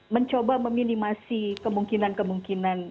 mencoba meminimasi kemungkinan kemungkinan